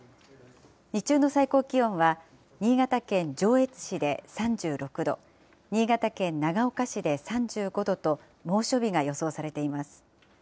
日中の最高気温は、新潟県上越市で３６度、新潟県長岡市で３５度と、猛暑日が予想されています。